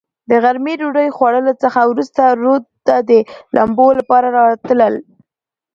د غرمې ډوډوۍ خوړلو څخه ورورسته رود ته د لمبو لپاره راتلل.